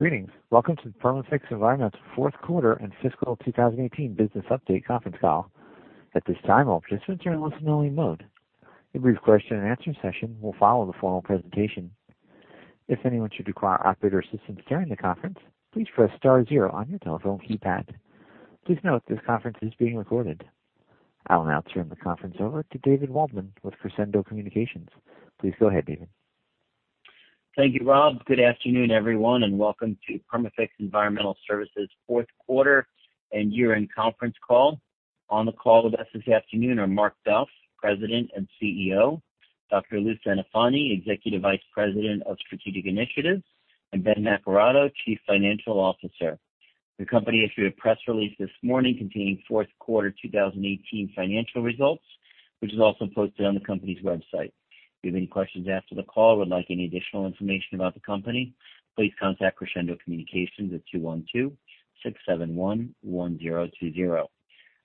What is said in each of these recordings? Greetings. Welcome to the Perma-Fix Environmental Services' fourth quarter and fiscal 2018 business update conference call. At this time, all participants are in listen only mode. A brief question and answer session will follow the formal presentation. If anyone should require operator assistance during the conference, please press star 0 on your telephone keypad. Please note this conference is being recorded. I will now turn the conference over to David Waldman with Crescendo Communications. Please go ahead, David. Thank you, Rob. Good afternoon, everyone, and welcome to Perma-Fix Environmental Services' fourth quarter and year-end conference call. On the call with us this afternoon are Mark Duff, President and CEO, Dr. Louis Centofanti, Executive Vice President of Strategic Initiatives, and Ben Naccarato, Chief Financial Officer. The company issued a press release this morning containing fourth quarter 2018 financial results, which is also posted on the company's website. If you have any questions after the call or would like any additional information about the company, please contact Crescendo Communications at 212-671-1020.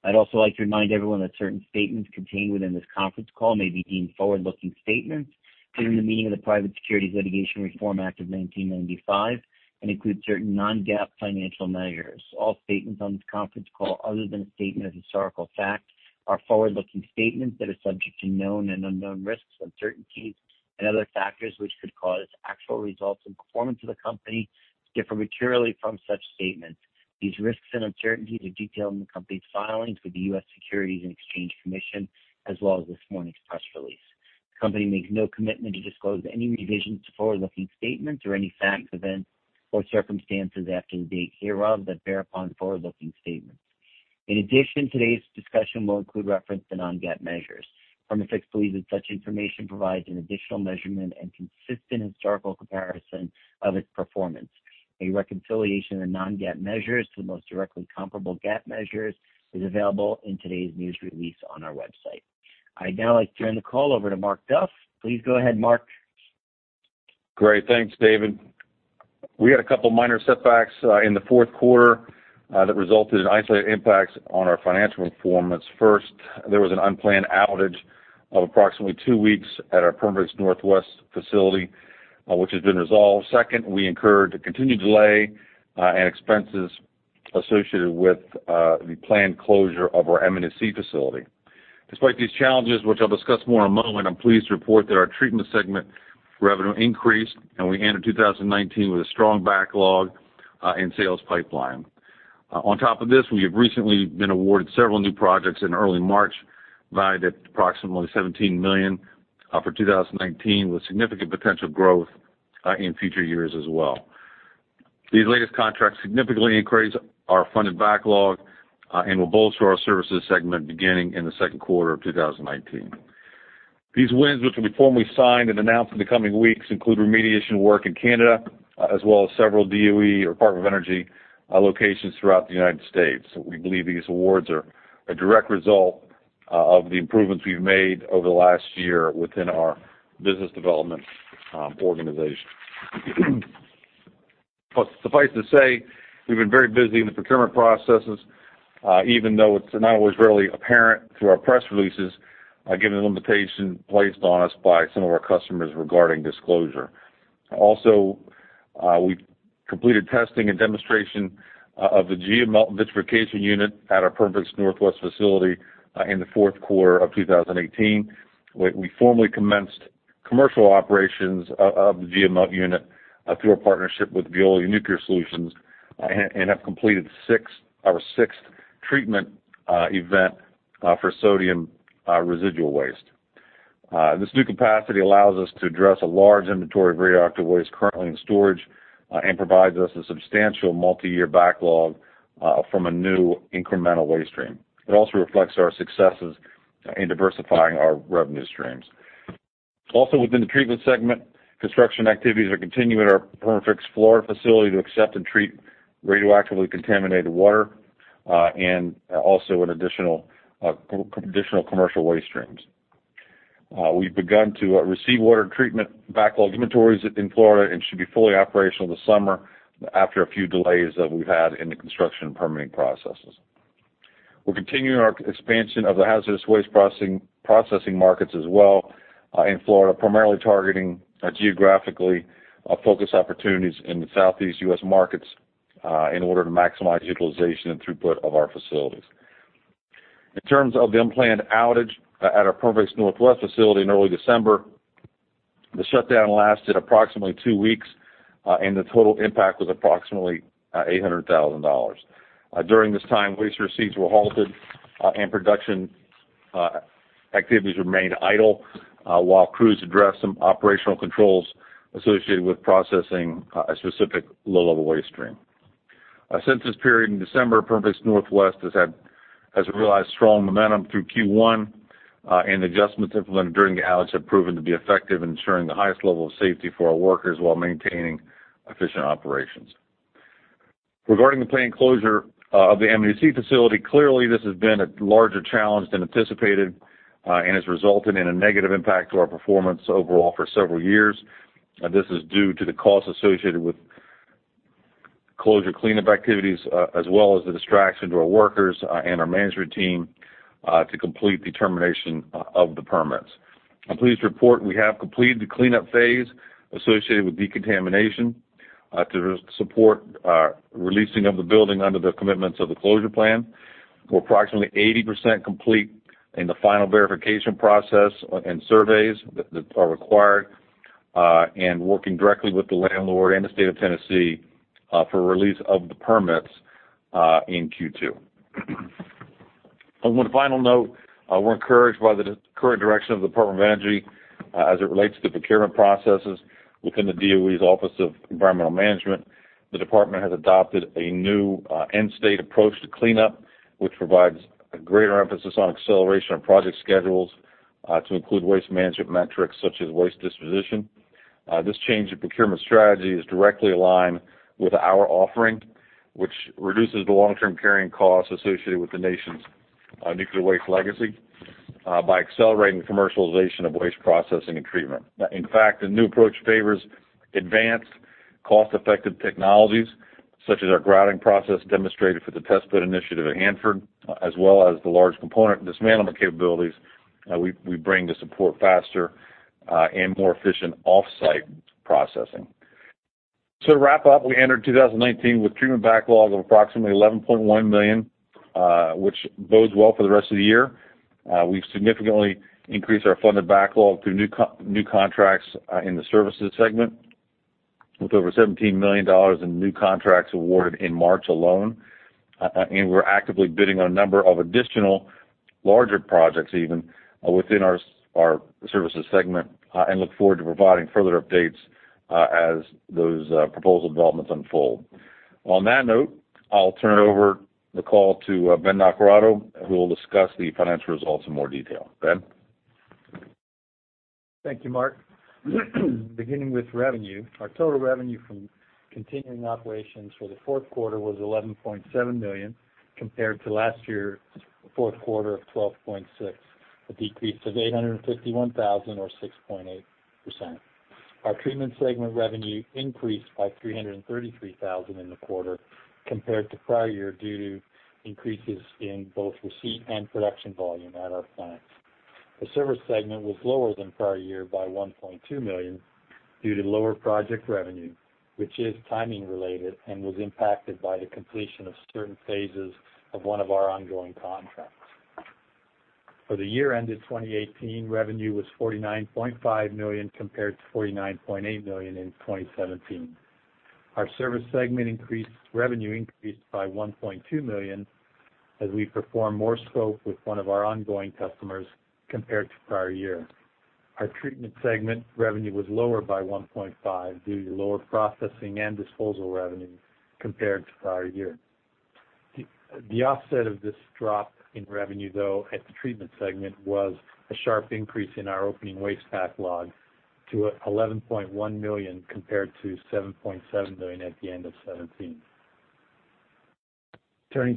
I'd also like to remind everyone that certain statements contained within this conference call may be deemed forward-looking statements during the meeting of the Private Securities Litigation Reform Act of 1995 and include certain non-GAAP financial measures. All statements on this conference call, other than a statement of historical fact, are forward-looking statements that are subject to known and unknown risks, uncertainties, and other factors which could cause actual results and performance of the company to differ materially from such statements. These risks and uncertainties are detailed in the company's filings with the U.S. Securities and Exchange Commission, as well as this morning's press release. The company makes no commitment to disclose any revisions to forward-looking statements or any facts, events, or circumstances after the date hereof that bear upon forward-looking statements. In addition, today's discussion will include reference to non-GAAP measures. Perma-Fix believes that such information provides an additional measurement and consistent historical comparison of its performance. A reconciliation of non-GAAP measures to the most directly comparable GAAP measures is available in today's news release on our website. I'd now like to turn the call over to Mark Duff. Please go ahead, Mark. Great. Thanks, David. We had a couple minor setbacks in the fourth quarter that resulted in isolated impacts on our financial performance. First, there was an unplanned outage of approximately two weeks at our Perma-Fix Northwest facility, which has been resolved. Second, we incurred the continued delay and expenses associated with the planned closure of our M&EC facility. Despite these challenges, which I'll discuss more in a moment, I'm pleased to report that our treatment segment revenue increased, and we entered 2019 with a strong backlog and sales pipeline. On top of this, we have recently been awarded several new projects in early March valued at approximately $17 million for 2019, with significant potential growth in future years as well. These latest contracts significantly increase our funded backlog and will bolster our services segment beginning in the second quarter of 2019. These wins, which will be formally signed and announced in the coming weeks, include remediation work in Canada as well as several DOE or Department of Energy locations throughout the United States. We believe these awards are a direct result of the improvements we've made over the last year within our business development organization. Suffice to say, we've been very busy in the procurement processes, even though it's not always readily apparent through our press releases, given the limitation placed on us by some of our customers regarding disclosure. Also, we completed testing and demonstration of the GeoMelt vitrification unit at our Perma-Fix Northwest facility in the fourth quarter of 2018. We formally commenced commercial operations of the GeoMelt unit through our partnership with Veolia Nuclear Solutions and have completed our sixth treatment event for sodium residual waste. This new capacity allows us to address a large inventory of radioactive waste currently in storage and provides us a substantial multi-year backlog from a new incremental waste stream. It also reflects our successes in diversifying our revenue streams. Also within the treatment segment, construction activities are continuing at our Perma-Fix Florida facility to accept and treat radioactively contaminated water, and also additional commercial waste streams. We've begun to receive water treatment backlog inventories in Florida and should be fully operational this summer after a few delays that we've had in the construction and permitting processes. We're continuing our expansion of the hazardous waste processing markets as well in Florida, primarily targeting geographically focused opportunities in the Southeast U.S. markets in order to maximize utilization and throughput of our facilities. In terms of the unplanned outage at our Perma-Fix Northwest facility in early December, the shutdown lasted approximately two weeks, and the total impact was approximately $800,000. During this time, waste receipts were halted, and production activities remained idle while crews addressed some operational controls associated with processing a specific low-level waste stream. Since this period in December, Perma-Fix Northwest has realized strong momentum through Q1, and adjustments implemented during the outage have proven to be effective in ensuring the highest level of safety for our workers while maintaining efficient operations. Regarding the planned closure of the M&EC facility, clearly this has been a larger challenge than anticipated and has resulted in a negative impact to our performance overall for several years. This is due to the costs associated with closure cleanup activities as well as the distraction to our workers and our management team to complete the termination of the permits. I'm pleased to report we have completed the cleanup phase associated with decontamination to support releasing of the building under the commitments of the closure plan. We're approximately 80% complete in the final verification process and surveys that are required, and working directly with the landlord and the state of Tennessee for release of the permits in Q2. On one final note, we're encouraged by the current direction of the Department of Energy as it relates to the procurement processes within the DOE's Office of Environmental Management. The department has adopted a new end-state approach to cleanup, which provides a greater emphasis on acceleration of project schedules, to include waste management metrics such as waste disposition. This change in procurement strategy is directly aligned with our offering, which reduces the long-term carrying costs associated with the nation's nuclear waste legacy by accelerating the commercialization of waste processing and treatment. In fact, the new approach favors advanced cost-effective technologies, such as our grouting process demonstrated for the Test Bed Initiative at Hanford, as well as the large component dismantlement capabilities that we bring to support faster and more efficient off-site processing. To wrap up, we entered 2019 with treatment backlog of approximately $11.1 million, which bodes well for the rest of the year. We've significantly increased our funded backlog through new contracts in the services segment with over $17 million in new contracts awarded in March alone. We're actively bidding on a number of additional larger projects even within our services segment and look forward to providing further updates as those proposal developments unfold. On that note, I'll turn over the call to Ben Naccarato, who will discuss the financial results in more detail. Ben? Thank you, Mark. Beginning with revenue, our total revenue from continuing operations for the fourth quarter was $11.7 million compared to last year's fourth quarter of $12.6 million, a decrease of $851,000 or 6.8%. Our treatment segment revenue increased by $333,000 in the quarter compared to prior year due to increases in both receipt and production volume at our plants. The service segment was lower than prior year by $1.2 million due to lower project revenue, which is timing related and was impacted by the completion of certain phases of one of our ongoing contracts. For the year ended 2018, revenue was $49.5 million compared to $49.8 million in 2017. Our service segment revenue increased by $1.2 million as we perform more scope with one of our ongoing customers compared to prior year. Our treatment segment revenue was lower by $1.5 million due to lower processing and disposal revenue compared to prior year. The offset of this drop in revenue, though, at the treatment segment was a sharp increase in our opening waste backlog to $11.1 million compared to $7.7 million at the end of 2017. Our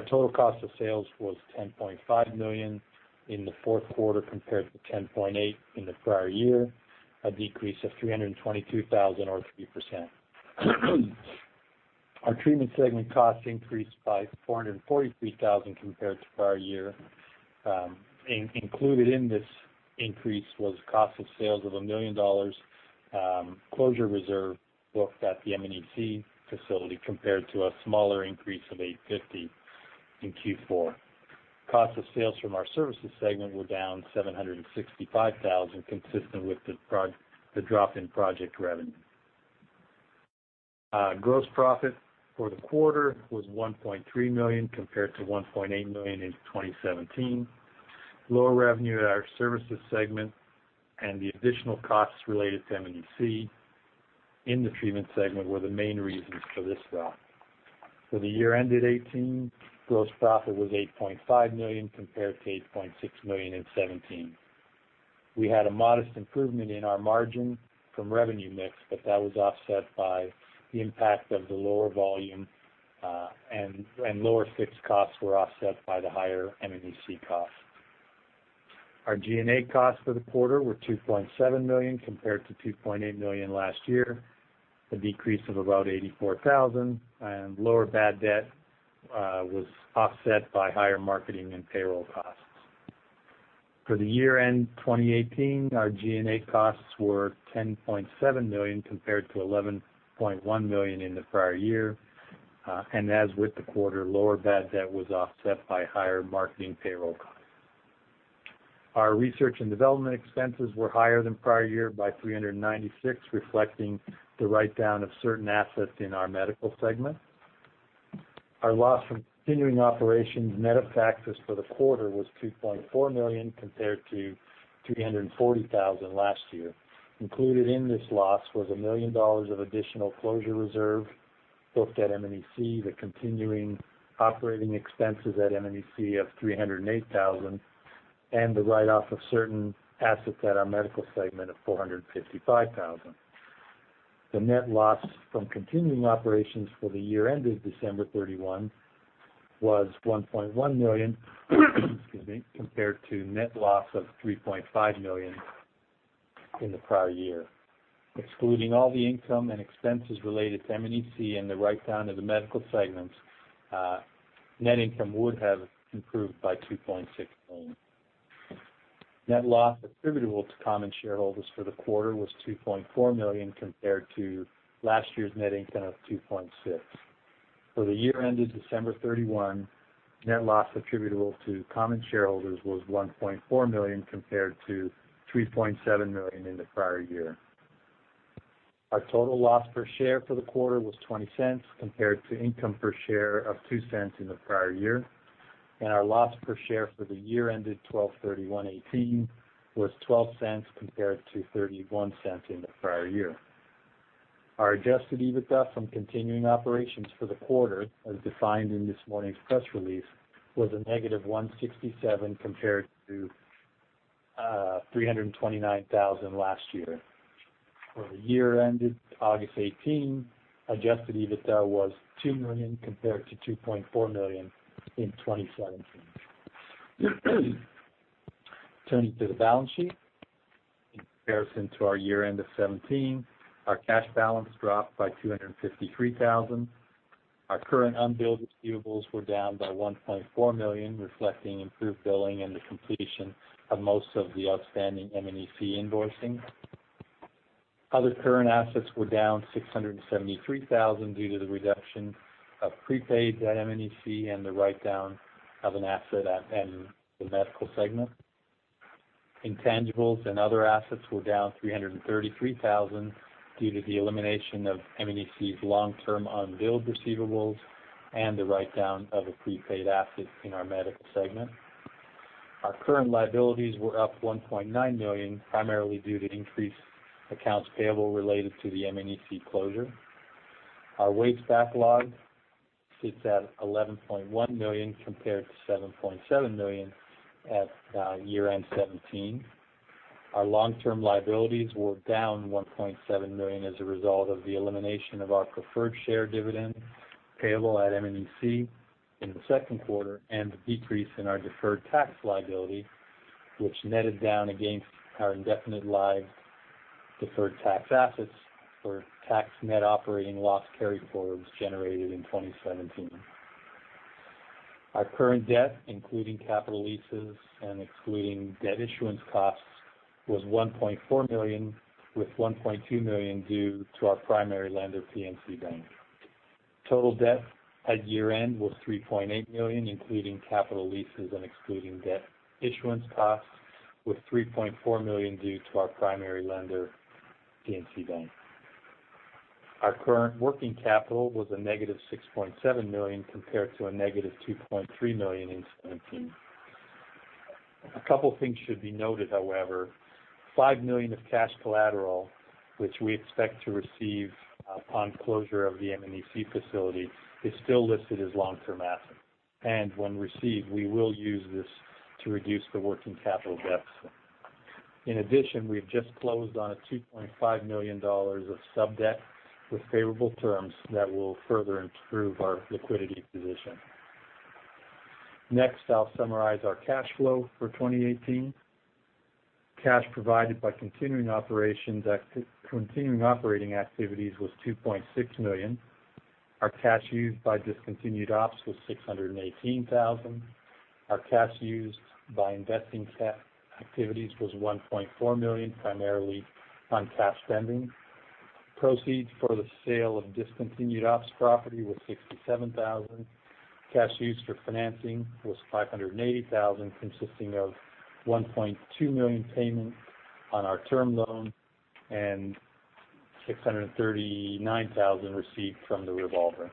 total cost of sales was $10.5 million in the fourth quarter compared to $10.8 million in the prior year, a decrease of $322,000 or 3%. Our treatment segment cost increased by $443,000 compared to prior year. Included in this increase was cost of sales of $1 million closure reserve booked at the M&EC facility compared to a smaller increase of $850,000 in Q4. Cost of sales from our services segment were down $765,000, consistent with the drop in project revenue. Gross profit for the quarter was $1.3 million compared to $1.8 million in 2017. Lower revenue at our services segment and the additional costs related to M&EC in the treatment segment were the main reasons for this drop. For the year ended 2018, gross profit was $8.5 million compared to $8.6 million in 2017. We had a modest improvement in our margin from revenue mix. That was offset by the impact of the lower volume. Lower fixed costs were offset by the higher M&EC costs. Our G&A costs for the quarter were $2.7 million compared to $2.8 million last year, a decrease of about $84,000. Lower bad debt was offset by higher marketing and payroll costs. For the year-end 2018, our G&A costs were $10.7 million compared to $11.1 million in the prior year. As with the quarter, lower bad debt was offset by higher marketing payroll costs. Our research and development expenses were higher than prior year by $396,000, reflecting the write-down of certain assets in our medical segment. Our loss from continuing operations net of taxes for the quarter was $2.4 million compared to $340,000 last year. Included in this loss was $1 million of additional closure reserve booked at M&EC, the continuing operating expenses at M&EC of $308,000, and the write-off of certain assets at our medical segment of $455,000. The net loss from continuing operations for the year ended December 31 was $1.1 million, excuse me, compared to net loss of $3.5 million in the prior year. Excluding all the income and expenses related to M&EC and the write-down of the medical segment, net income would have improved by $2.6 million. Net loss attributable to common shareholders for the quarter was $2.4 million compared to last year's net income of $2.6 million. For the year ended December 31, net loss attributable to common shareholders was $1.4 million compared to $3.7 million in the prior year. Our total loss per share for the quarter was $0.20 compared to income per share of $0.02 in the prior year. Our loss per share for the year ended December 31, 2018 was $0.12 compared to $0.31 in the prior year. Our Adjusted EBITDA from continuing operations for the quarter, as defined in this morning's press release, was a -$167,000 compared to $329,000 last year. For the year ended August 2018, Adjusted EBITDA was $2 million compared to $2.4 million in 2017. Turning to the balance sheet. In comparison to our year-end of 2017, our cash balance dropped by $253,000. Our current unbilled receivables were down by $1.4 million, reflecting improved billing and the completion of most of the outstanding M&EC invoicing. Other current assets were down $673,000 due to the reduction of prepaid at M&EC and the write-down of an asset at the medical segment. Intangibles and other assets were down $333,000 due to the elimination of M&EC's long-term unbilled receivables and the write-down of a prepaid asset in our medical segment. Our current liabilities were up $1.9 million, primarily due to increased accounts payable related to the M&EC closure. Our wage backlog sits at $11.1 million compared to $7.7 million at year-end 2017. Our long-term liabilities were down $1.7 million as a result of the elimination of our preferred share dividend payable at M&EC in the second quarter and the decrease in our deferred tax liability, which netted down against our indefinite lived deferred tax assets for tax net operating loss carryforwards generated in 2017. Our current debt, including capital leases and excluding debt issuance costs, was $1.4 million, with $1.2 million due to our primary lender, PNC Bank. Total debt at year-end was $3.8 million, including capital leases and excluding debt issuance costs, with $3.4 million due to our primary lender, PNC Bank. Our current working capital was a negative $6.7 million compared to a negative $2.3 million in 2017. A couple things should be noted, however. $5 million of cash collateral, which we expect to receive upon closure of the M&EC facility, is still listed as long-term assets. When received, we will use this to reduce the working capital deficit. In addition, we've just closed on a $2.5 million of sub-debt with favorable terms that will further improve our liquidity position. Next, I'll summarize our cash flow for 2018. Cash provided by continuing operating activities was $2.6 million. Our cash used by discontinued ops was $618,000. Our cash used by investing activities was $1.4 million, primarily on cash spending. Proceeds for the sale of discontinued ops property was $67,000. Cash used for financing was $580,000, consisting of $1.2 million payment on our term loan and $639,000 received from the revolver.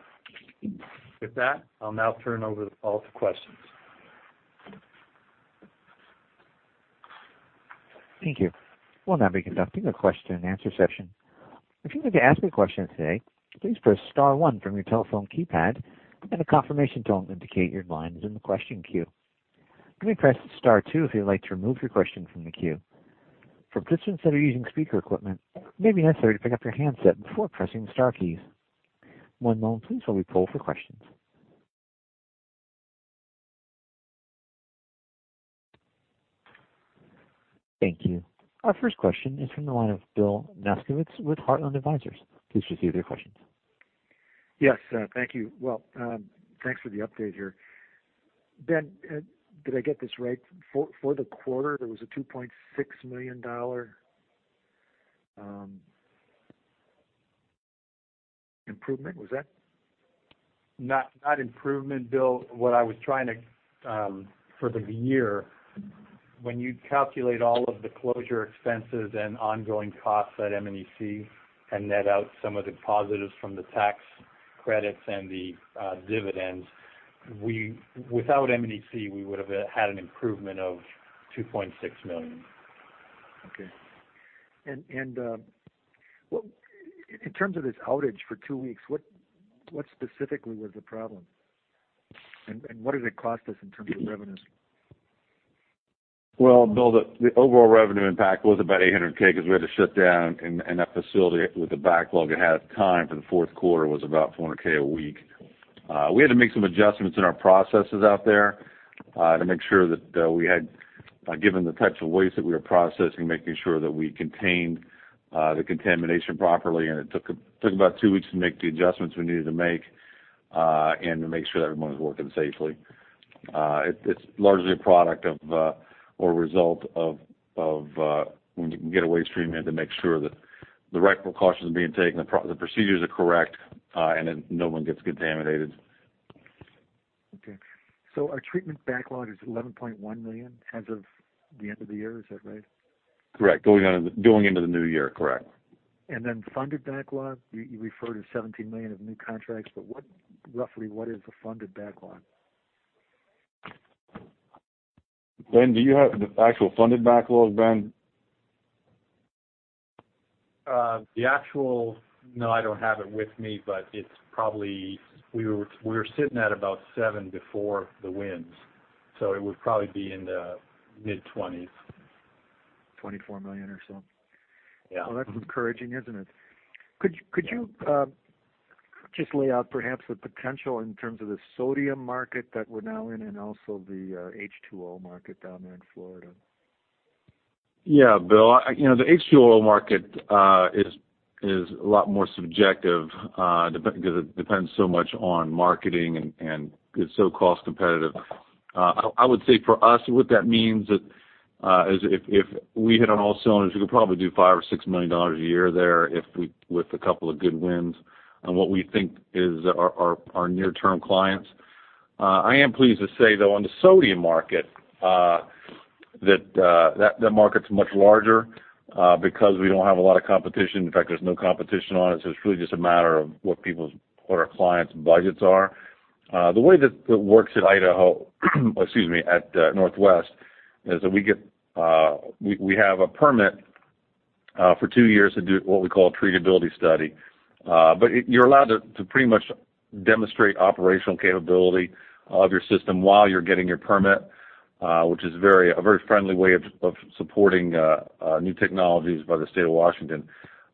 With that, I'll now turn over all to questions. Thank you. We'll now be conducting a question and answer session. If you would like to ask a question today, please press star one from your telephone keypad and a confirmation tone to indicate your line is in the question queue. You may press star two if you'd like to remove your question from the queue. For participants that are using speaker equipment, it may be necessary to pick up your handset before pressing the star keys. One moment please while we poll for questions. Thank you. Our first question is from the line of Bill Nasgovitz with Heartland Advisors. Please proceed with your questions. Yes. Thank you. Well, thanks for the update here. Ben, did I get this right? For the quarter, there was a $2.6 million improvement. Was that? Not improvement, Bill. For the year, when you calculate all of the closure expenses and ongoing costs at M&EC and net out some of the positives from the tax credits and the dividends, without M&EC, we would have had an improvement of $2.6 million. Okay. In terms of this outage for two weeks, what specifically was the problem? What did it cost us in terms of revenue? Well, Bill, the overall revenue impact was about $800,000 because we had to shut down a facility with a backlog. It had time for the fourth quarter, was about $400,000 a week. We had to make some adjustments in our processes out there to make sure that we had, given the types of waste that we were processing, making sure that we contained the contamination properly. It took about two weeks to make the adjustments we needed to make, and to make sure that everyone was working safely. It's largely a product of, or a result of when you can get a waste treatment to make sure that the right precautions are being taken, the procedures are correct, and that no one gets contaminated. Okay. Our treatment backlog is $11.1 million as of the end of the year. Is that right? Correct. Going into the new year. Correct. Funded backlog, you refer to $17 million of new contracts, roughly what is the funded backlog? Ben, do you have the actual funded backlog, Ben? The actual, no I don't have it with me but probably we were sitting at about seven before the wins, so it would probably be in the mid-twenties. $24 million or so? Yeah. Well, that's encouraging, isn't it? Could you just lay out perhaps the potential in terms of the sodium market that we're now in and also the H2O market down there in Florida? Yeah. Bill, the H2O market is a lot more subjective, because it depends so much on marketing, and it's so cost competitive. I would say for us, what that means, that is if we hit on all cylinders, we could probably do $5 million or $6 million a year there with a couple of good wins on what we think is our near-term clients. I am pleased to say, though, on the sodium market, that market's much larger, because we don't have a lot of competition. In fact, there's no competition on it, so it's really just a matter of what our clients' budgets are. The way that it works at Idaho, excuse me, at Perma-Fix Northwest, is that we have a permit for two years to do what we call a treatability study. You're allowed to pretty much demonstrate operational capability of your system while you're getting your permit, which is a very friendly way of supporting new technologies by the state of Washington.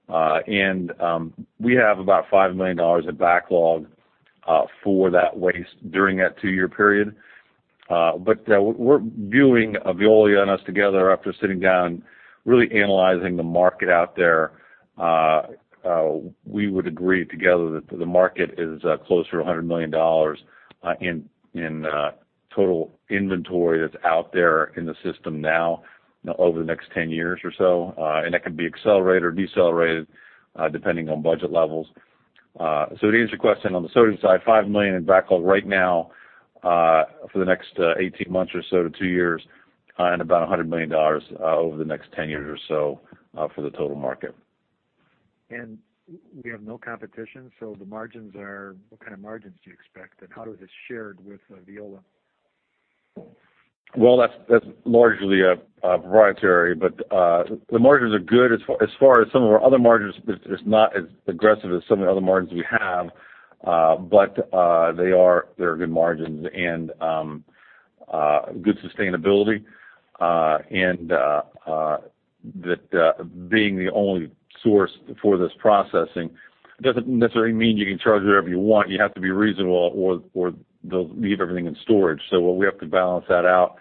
We have about $5 million in backlog for that waste during that two-year period. We're viewing Veolia and us together after sitting down, really analyzing the market out there. We would agree together that the market is closer to $100 million in total inventory that's out there in the system now over the next 10 years or so. That can be accelerated or decelerated depending on budget levels. To answer your question, on the sodium side, $5 million in backlog right now, for the next 18 months or so to two years, and about $100 million over the next 10 years or so for the total market. We have no competition. What kind of margins do you expect, and how is it shared with Veolia? Well, that's largely proprietary, but the margins are good. As far as some of our other margins, it's not as aggressive as some of the other margins we have, but they are good margins and good sustainability. That being the only source for this processing doesn't necessarily mean you can charge whatever you want. You have to be reasonable or they'll leave everything in storage. We have to balance that out,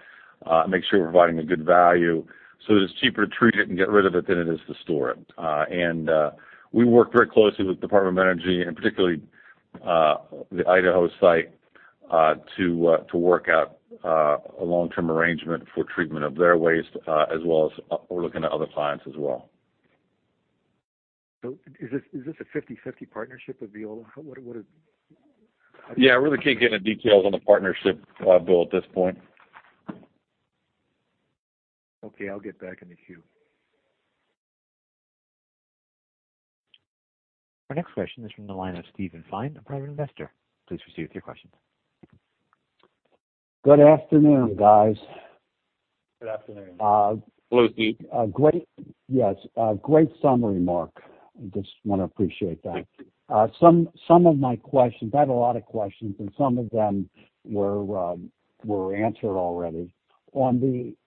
make sure we're providing a good value, so that it's cheaper to treat it and get rid of it than it is to store it. We work very closely with Department of Energy and particularly, the Idaho site, to work out a long-term arrangement for treatment of their waste, as well as looking at other clients as well. Is this a 50/50 partnership with Veolia? Yeah, I really can't get into details on the partnership, Bill, at this point. Okay. I'll get back in the queue. Our next question is from the line of Steven Fine, a private investor. Please proceed with your question. Good afternoon, guys. Good afternoon. Hello, Steven. Yes. Great summary, Mark. I just want to appreciate that. Thank you. Some of my questions, I have a lot of questions and some of them were answered already. On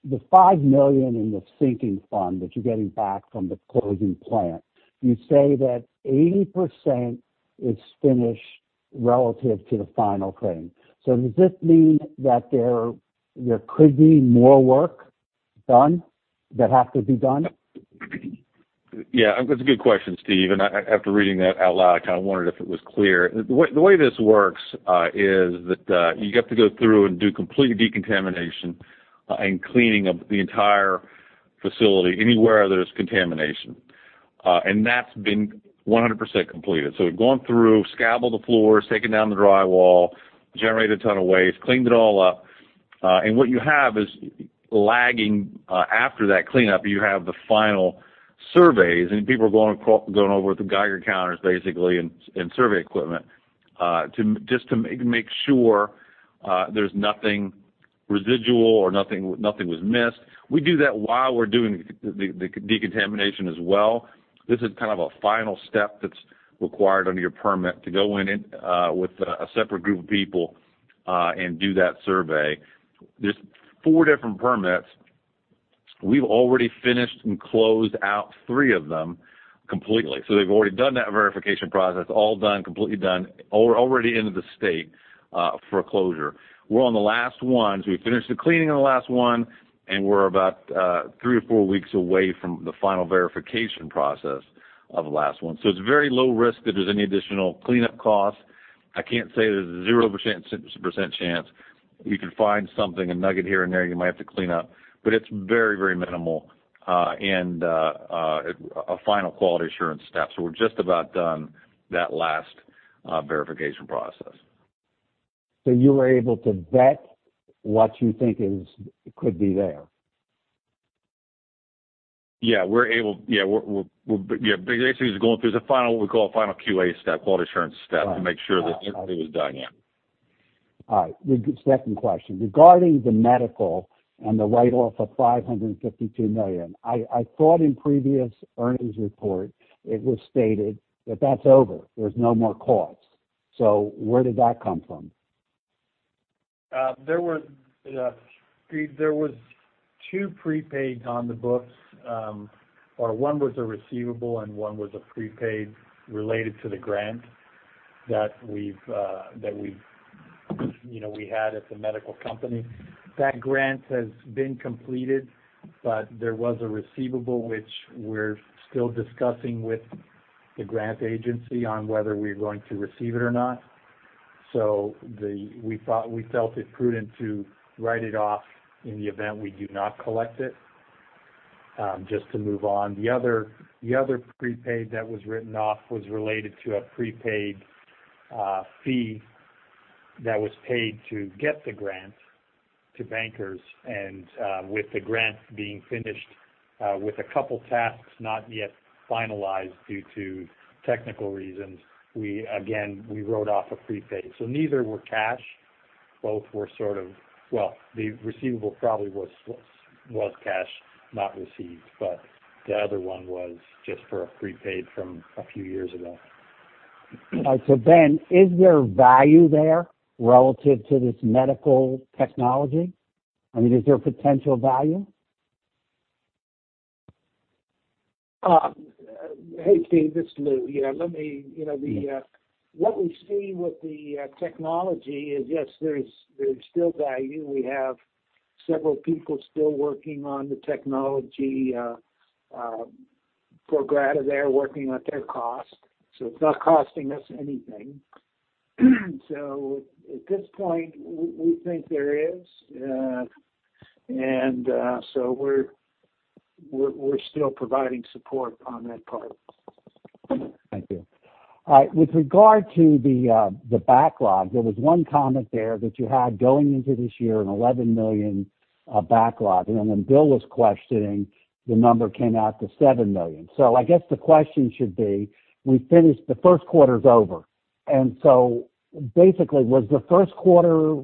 the $5 million in the sinking fund that you're getting back from the closing plant, you say that 80% is finished relative to the final claim. Does this mean that there could be more work done that have to be done? Yeah. That's a good question, Steven. After reading that out loud, I kind of wondered if it was clear. The way this works is that you have to go through and do complete decontamination and cleaning of the entire facility anywhere there's contamination. That's been 100% completed. We've gone through, scabbled the floors, taken down the drywall, generated a ton of waste, cleaned it all up. What you have is lagging after that cleanup, you have the final surveys, and people are going over with the Geiger counters, basically, and survey equipment, just to make sure there's nothing residual or nothing was missed. We do that while we're doing the decontamination as well. This is kind of a final step that's required under your permit to go in with a separate group of people, and do that survey. There's four different permits. We've already finished and closed out three of them completely. They've already done that verification process, all done, completely done, already into the state for a closure. We're on the last one. We finished the cleaning on the last one, and we're about three to four weeks away from the final verification process of the last one. It's very low risk that there's any additional cleanup costs. I can't say there's a 0% chance we could find something, a nugget here and there you might have to clean up, but it's very, very minimal, and a final quality assurance step. We're just about done that last verification process. You were able to vet what you think could be there? Basically, it's going through the final, what we call a final quality assurance step, to make sure that everything was done. All right. The second question. Regarding the medical and the write-off of $552 million, I thought in previous earnings report, it was stated that that's over, there's no more costs. Where did that come from? There was two prepaid on the books, or one was a receivable and one was a prepaid related to the grant that we had at the medical company. That grant has been completed, but there was a receivable which we're still discussing with the grant agency on whether we're going to receive it or not. We felt it prudent to write it off in the event we do not collect it, just to move on. The other prepaid that was written off was related to a prepaid fee that was paid to get the grant to bankers, and with the grant being finished with a couple tasks not yet finalized due to technical reasons, again, we wrote off a prepaid. Neither were cash. Well, the receivable probably was cash not received, but the other one was just for a prepaid from a few years ago. All right. Ben, is there value there relative to this medical technology? I mean, is there potential value? Hey, Steven, this is Lou. What we see with the technology is, yes, there's still value. We have several people still working on the technology, pro bono, they are working at their cost. It's not costing us anything. At this point, we think there is. We're still providing support on that part. Thank you. All right. With regard to the backlog, there was one comment there that you had going into this year an $11 million backlog. Bill was questioning, the number came out to $7 million. I guess the question should be, the first quarter's over. Basically, was the first quarter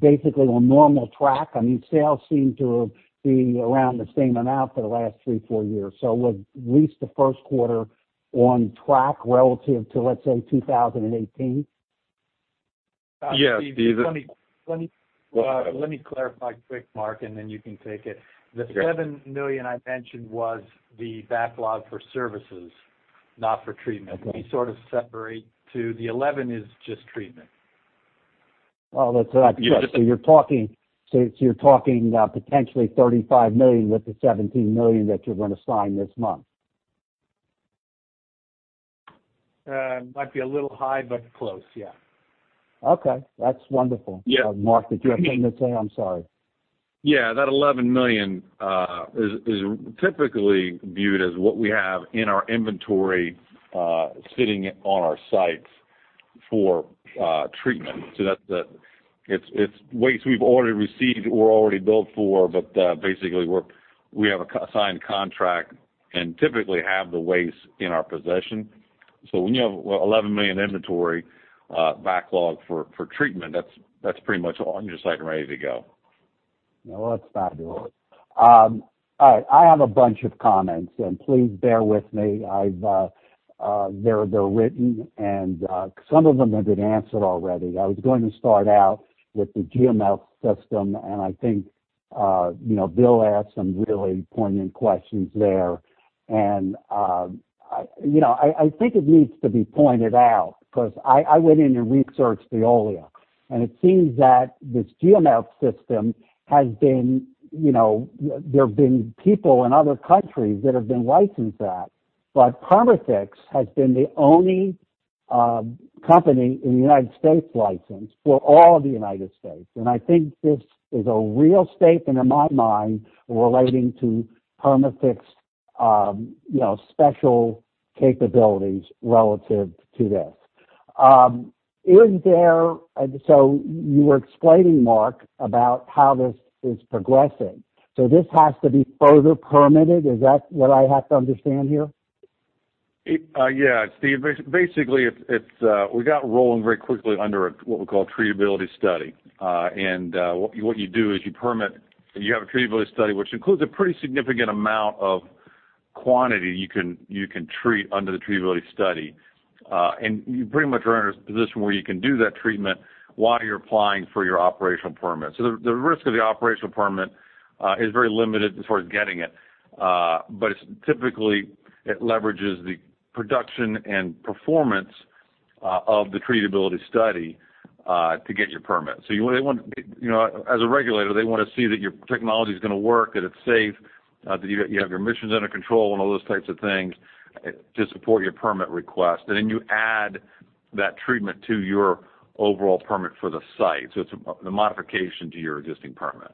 basically on normal track? I mean, sales seem to be around the same amount for the last three, four years. Was at least the first quarter on track relative to, let's say, 2018? Yes, Steven. Let me clarify quick, Mark, you can take it. Sure. The $7 million I mentioned was the backlog for services, not for treatment. Okay. We sort of separate two. The $11 is just treatment. Oh, that's right. You're talking about potentially $35 million with the $17 million that you're going to sign this month. Might be a little high, close, yeah. Okay. That's wonderful. Yeah. Mark, did you have anything to say? I'm sorry. Yeah. That $11 million is typically viewed as what we have in our inventory, sitting on our sites for treatment. It's waste we've already received or already billed for, but basically, we have a signed contract and typically have the waste in our possession. When you have $11 million inventory backlog for treatment, that's pretty much on your site and ready to go. No, that's fabulous. All right. I have a bunch of comments, please bear with me. They're written, some of them have been answered already. I was going to start out with the GeoMelt system. I think Bill asked some really poignant questions there. I think it needs to be pointed out, because I went in and researched Veolia. It seems that this GeoMelt system, there have been people in other countries that have been licensed that, but Perma-Fix has been the only company in the United States licensed for all of the United States. I think this is a real statement in my mind relating to Perma-Fix special capabilities relative to this. You were explaining, Mark, about how this is progressing. This has to be further permitted. Is that what I have to understand here? Steven, basically, we got rolling very quickly under what we call treatability study. What you do is you have a treatability study, which includes a pretty significant amount of quantity you can treat under the treatability study. You pretty much are in a position where you can do that treatment while you're applying for your operational permit. The risk of the operational permit is very limited as far as getting it, but it's typically, it leverages the production and performance of the treatability study to get your permit. As a regulator, they want to see that your technology's going to work, that it's safe, that you have your emissions under control and all those types of things to support your permit request. Then you add that treatment to your overall permit for the site. It's the modification to your existing permit.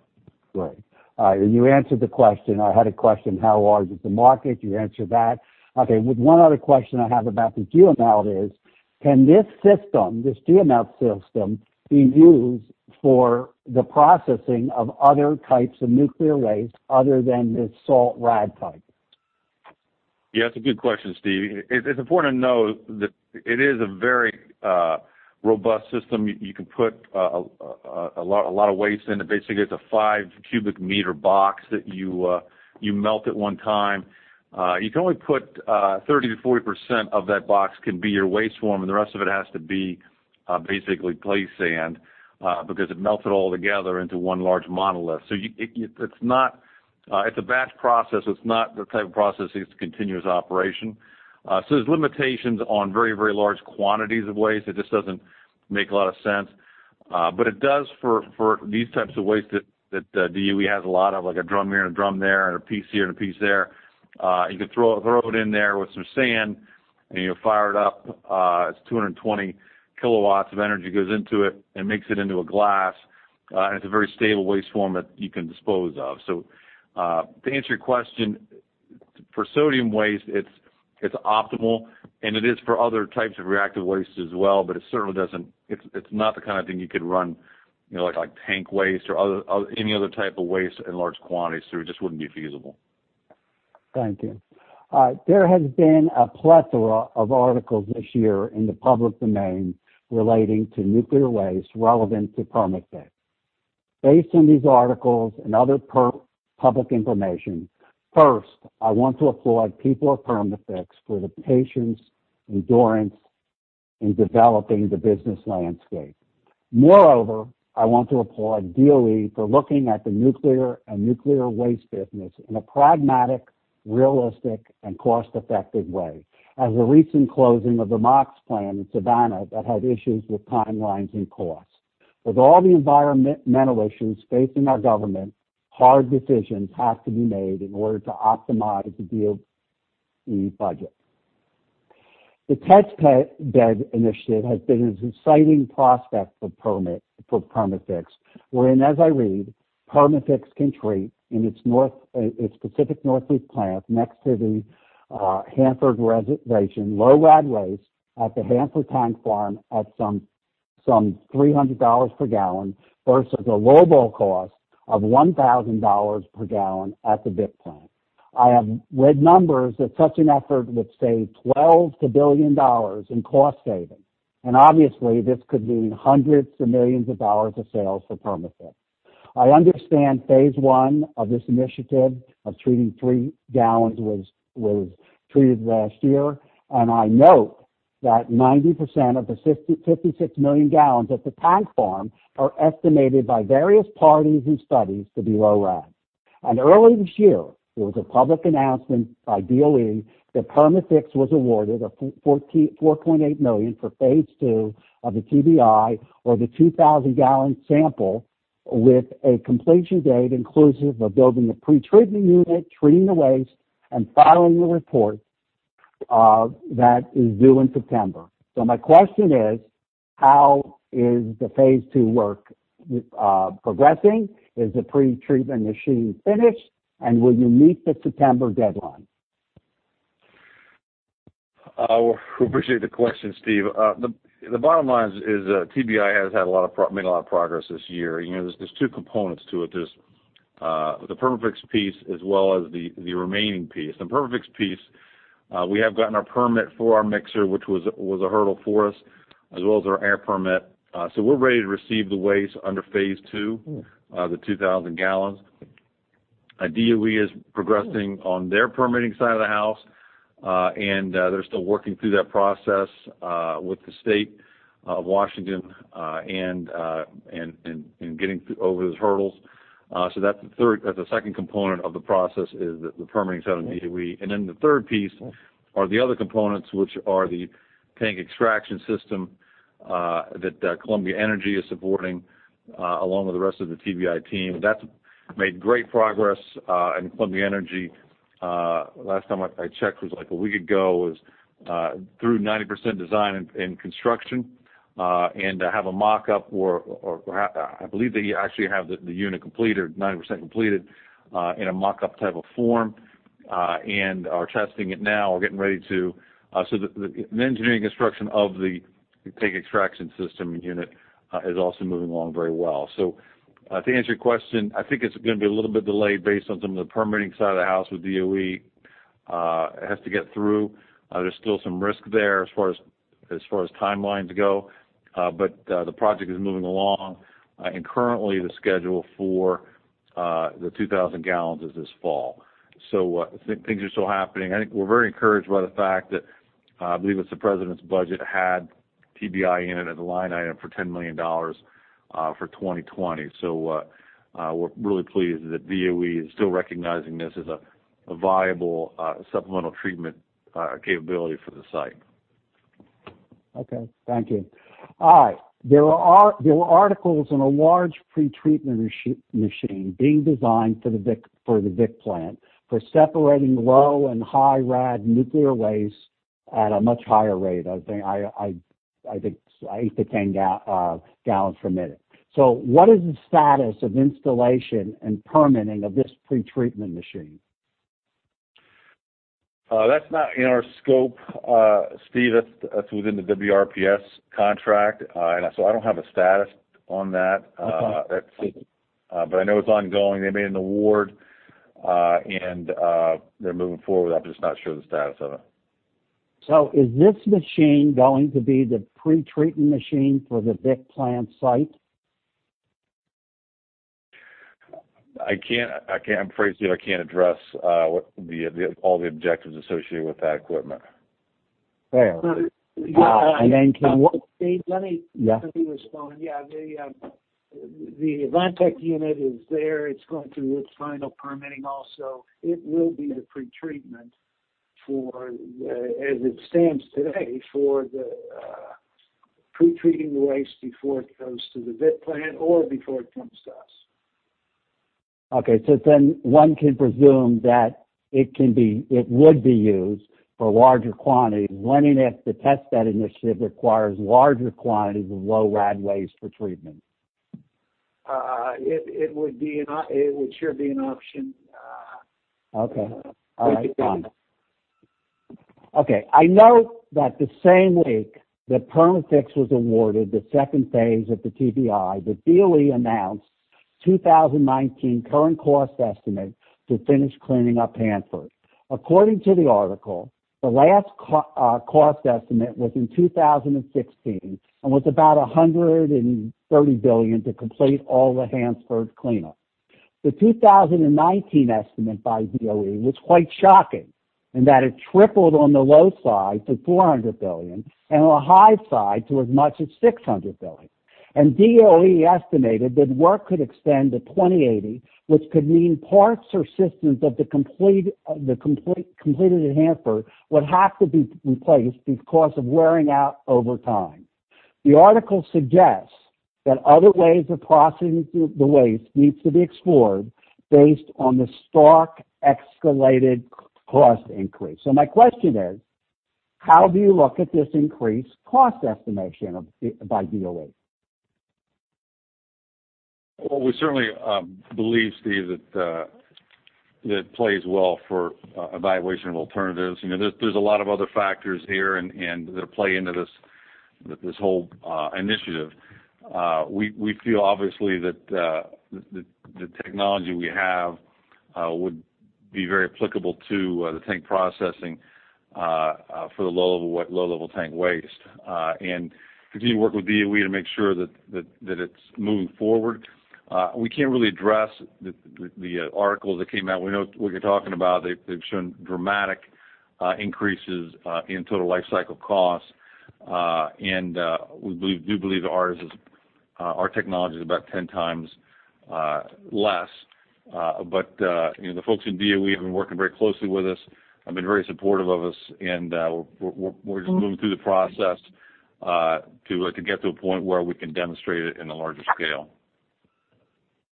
You answered the question. I had a question, how large is the market? You answered that. One other question I have about the GeoMelt is, can this system, this GeoMelt system, be used for the processing of other types of nuclear waste other than this salt rad type? That's a good question, Steven. It's important to know that it is a very robust system. You can put a lot of waste in it. Basically, it's a 5 m³ box that you melt at one time. You can only put 30%-40% of that box can be your waste form, and the rest of it has to be basically play sand, because it melts it all together into one large monolith. It's a batch process. It's not the type of process that's continuous operation. There's limitations on very, very large quantities of waste. It just doesn't make a lot of sense. It does for these types of waste that DOE has a lot of, like a drum here and a drum there, and a piece here and a piece there. You can throw it in there with some sand and you fire it up. It's 220 kWh of energy goes into it and makes it into a glass, and it's a very stable waste form that you can dispose of. To answer your question, for sodium waste, it's optimal, and it is for other types of reactive waste as well, but it's not the kind of thing you could run like tank waste or any other type of waste in large quantities. It just wouldn't be feasible. Thank you. There has been a plethora of articles this year in the public domain relating to nuclear waste relevant to Perma-Fix. Based on these articles and other public information, first, I want to applaud people of Perma-Fix for the patience, endurance in developing the business landscape. Moreover, I want to applaud DOE for looking at the nuclear and nuclear waste business in a pragmatic, realistic, and cost-effective way. As a recent closing of the MOX plant in Savannah that had issues with timelines and costs. With all the environmental issues facing our government, hard decisions have to be made in order to optimize the DOE budget. The Test Bed Initiative has been an exciting prospect for Perma-Fix, wherein, as I read, Perma-Fix can treat in its Perma-Fix Northwest plant next to the Hanford Reservation, low-level waste at the Hanford Tank Farm at some $300 per gallon, versus a low-ball cost of $1,000 per gallon at the Vit Plant. I have read numbers that such an effort would save $12 billion in cost saving, and obviously, this could mean hundreds of millions of dollars of sales for Perma-Fix. I understand phase 1 of this initiative of treating three gallons was treated last year, and I note that 90% of the 56 million gallons at the Tank Farm are estimated by various parties and studies to be low-level waste. Early this year, there was a public announcement by DOE that Perma-Fix was awarded $4.8 million for phase 2 of the TBI or the 2,000-gallon sample with a completion date inclusive of building the pre-treatment unit, treating the waste, and filing the report, that is due in September. My question is, how is the phase 2 work progressing? Is the pre-treatment machine finished, and will you meet the September deadline? We appreciate the question, Steven. The bottom line is TBI has made a lot of progress this year. There's two components to it. There's the Perma-Fix piece as well as the remaining piece. The Perma-Fix piece, we have gotten our permit for our mixer, which was a hurdle for us, as well as our air permit. So we're ready to receive the waste under phase 2, the 2,000 gallons. DOE is progressing on their permitting side of the house. They're still working through that process with the state of Washington and getting over those hurdles. That's the second component of the process is the permitting side of DOE. The third piece are the other components, which are the tank extraction system that Columbia Energy is supporting along with the rest of the TBI team. That's made great progress, and Columbia Energy, last time I checked was like a week ago, was through 90% design and construction. Have a mock-up or I believe they actually have the unit completed, 90% completed, in a mock-up type of form, and are testing it now or getting ready to. The engineering construction of the tank extraction system unit is also moving along very well. To answer your question, I think it's going to be a little bit delayed based on some of the permitting side of the house with DOE. It has to get through. There's still some risk there as far as timelines go, but the project is moving along, and currently, the schedule for the 2,000 gallons is this fall. Things are still happening. I think we're very encouraged by the fact that, I believe it's the president's budget, had TBI in it as a line item for $10 million for 2020. We're really pleased that DOE is still recognizing this as a viable supplemental treatment capability for the site. Okay. Thank you. All right. There were articles on a large pretreatment machine being designed for the Vit Plant, for separating low and high rad nuclear waste at a much higher rate, I think 8-10 gallons per minute. What is the status of installation and permitting of this pretreatment machine? That's not in our scope, Steven. That's within the WRPS contract, so I don't have a status on that. Okay. I know it's ongoing. They made an award, and they're moving forward. I'm just not sure of the status of it. Is this machine going to be the pretreatment machine for the Vit Plant site? I'm afraid, Steven, I can't address all the objectives associated with that equipment. Fair. Steven, Yeah Let me respond. Yeah, the AVANTech unit is there. It's going through its final permitting also. It will be the pretreatment, as it stands today, for the pretreating the waste before it goes to the Vit Plant or before it comes to us. Okay. One can presume that it would be used for larger quantities seeing as the Test Bed Initiative requires larger quantities of low rad waste for treatment. It sure would be an option. Okay. All right, Louis. Okay. I note that the same week that Perma-Fix was awarded the second phase of the TBI, the DOE announced 2019 current cost estimate to finish cleaning up Hanford. According to the article, the last cost estimate was in 2016 and was about $130 billion to complete all of the Hanford cleanup. The 2019 estimate by DOE was quite shocking, in that it tripled on the low side to $400 billion and on the high side to as much as $600 billion. DOE estimated that work could extend to 2080, which could mean parts or systems of the completed Hanford would have to be replaced because of wearing out over time. The article suggests that other ways of processing the waste needs to be explored based on the stark escalated cost increase. My question is, how do you look at this increased cost estimation by DOE? Well, we certainly believe, Steven, that it plays well for evaluation of alternatives. There's a lot of other factors here that play into this whole initiative. We feel obviously that the technology we have would be very applicable to the tank processing for the low-level tank waste and continue to work with DOE to make sure that it's moving forward. We can't really address the article that came out. We know what you're talking about. They've shown dramatic increases in total life cycle costs. We do believe our technology is about 10x less. The folks in DOE have been working very closely with us, have been very supportive of us, and we're just moving through the process to get to a point where we can demonstrate it in a larger scale.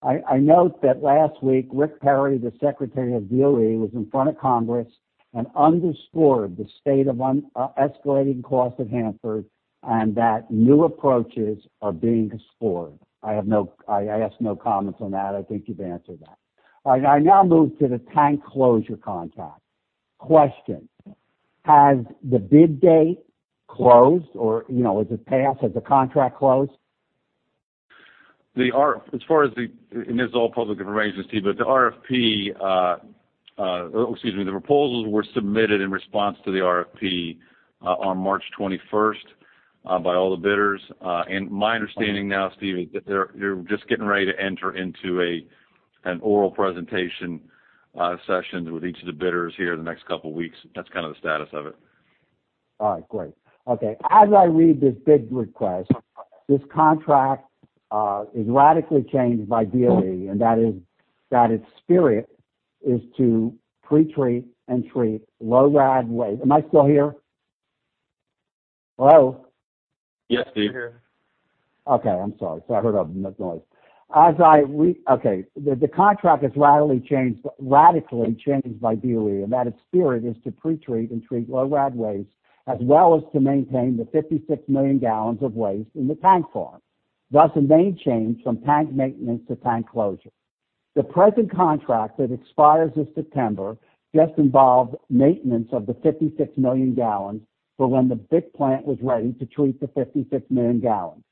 I note that last week, Rick Perry, the Secretary of DOE, was in front of Congress and underscored the state of escalating costs at Hanford, that new approaches are being explored. I ask no comments on that. I think you've answered that. I now move to the tank closure contract. Question: has the bid date closed, or has it passed? Has the contract closed? This is all public information, Steven, but the proposals were submitted in response to the RFP on March 21st by all the bidders. My understanding now, Steven, is that they're just getting ready to enter into oral presentation sessions with each of the bidders here in the next couple of weeks. That's kind of the status of it. All right, great. Okay. As I read this bid request, this contract is radically changed by DOE, and that its spirit is to pre-treat and treat low rad waste. Am I still here? Hello? Yes, Steven. We're here. Okay, I'm sorry. Sorry, I heard a noise. Okay. The contract is radically changed by DOE, and that its spirit is to pre-treat and treat low rad waste, as well as to maintain the 56 million gallons of waste in the tank farm, thus a main change from tank maintenance to tank closure. The present contract that expires this September just involves maintenance of the 56 million gallons for when the Vit Plant was ready to treat the 56 million gallons.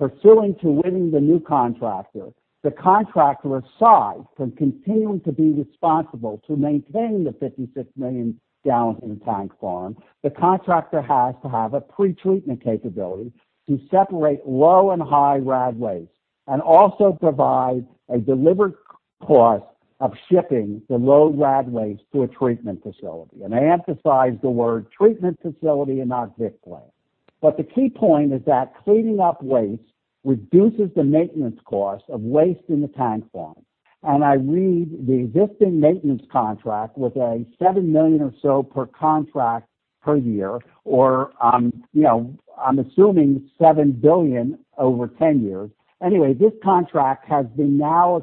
Pursuing to winning the new contractor, the contractor aside from continuing to be responsible to maintain the 56 million gallons in tank farm, the contractor has to have a pre-treatment capability to separate low and high rad waste, and also provide a delivered cost of shipping the low rad waste to a treatment facility. I emphasize the word treatment facility and not Vit Plant. The key point is that cleaning up waste reduces the maintenance cost of waste in the tank farm. I read the existing maintenance contract with a $7 million or so per contract per year, or I'm assuming $7 billion over 10 years. Anyway, this contract has been now